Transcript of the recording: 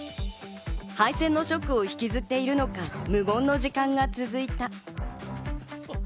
敗戦のショックを引きずっているのか、無言の時間が続いた。